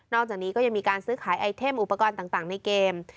อกจากนี้ก็ยังมีการซื้อขายไอเทมอุปกรณ์ต่างในเกม